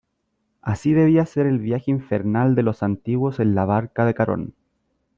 así debía ser el viaje infernal de los antiguos en la barca de Carón :